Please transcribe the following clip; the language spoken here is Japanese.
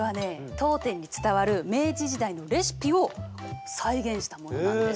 当店に伝わる明治時代のレシピを再現したものなんです。